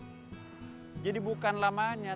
jadi bukan lama saja itu bisa diambil oleh allah